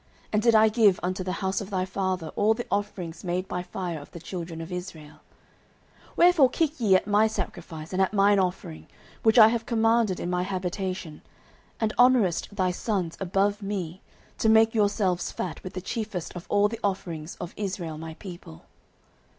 and did I give unto the house of thy father all the offerings made by fire of the children of Israel? 09:002:029 Wherefore kick ye at my sacrifice and at mine offering, which I have commanded in my habitation; and honourest thy sons above me, to make yourselves fat with the chiefest of all the offerings of Israel my people?